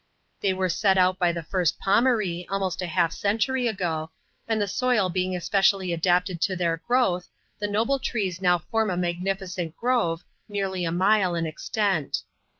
They were set out by the ^rtst Pbmaree, almost half a century ago ; and the soil being especially adapted to their growth, the noMe trees now form a magnificent grove, nearly a mile in extent.